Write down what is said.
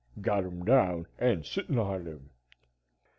"Got him down and sittin' on him."